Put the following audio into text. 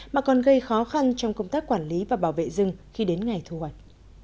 mà còn gây khó khăn trong công tác quản lý và bảo vệ rừng khi đến ngày thu hoạch